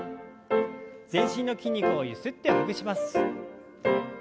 全身の筋肉をゆすってほぐします。